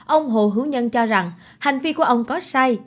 ông hồ hữu nhân cho rằng hành vi của ông có sai